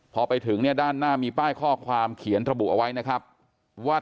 พอไปถึงด้านหน้ามีป้ายข้อความเขียนระบุเอาไว้ว่า